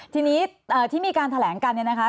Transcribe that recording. ทีนี้ที่มีการแถลงกันเนี่ยนะคะ